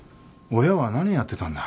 親は何やってたんだ？